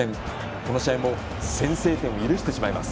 この試合も先制点を許してしまいます。